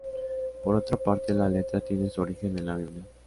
Por otra parte, la letra tiene su origen en la Biblia.